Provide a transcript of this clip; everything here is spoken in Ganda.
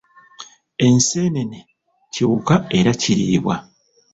Enseenene kiwuka era kiriibwa.